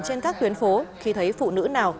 trên các tuyến phố khi thấy phụ nữ nào